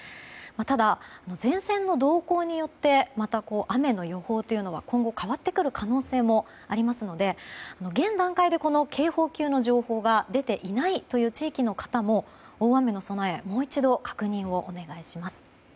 ただ、前線の動向によってまた雨の予報は今後変わってくる可能性もありますので現段階で警報級の情報が出ていないという地域の方も大雨の備えもう一度、確認をお願いします。